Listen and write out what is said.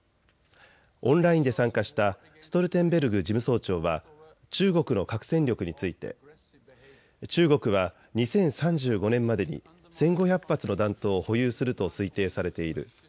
オンラインで参加したストルテンベルグ事務総長は中国の核戦力について中国は２０３５年までに１５００発の弾頭を保有すると推定されている。